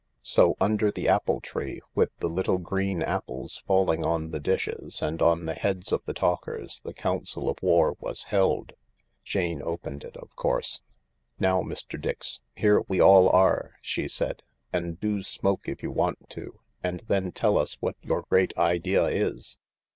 So, under the apple tree, with the little green apples 172 THE LARK falling on the dishes and on the heads of the talkers, the council of war was held. Jane opened it, of course. " Now, Mr. Dix, here we all are," she said, " and do smoke if you want to, and then tell us what your great idea is."